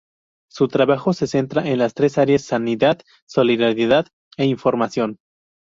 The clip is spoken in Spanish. Su trabajo se centra en tres áreas: "Sanidad", "Solidaridad" e "Información".